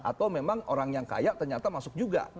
atau memang orang yang kaya ternyata masuk juga